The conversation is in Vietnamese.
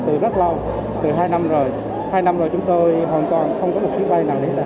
từ rất lâu từ hai năm rồi hai năm rồi chúng tôi hoàn toàn không có được chuyến bay nào đến đà nẵng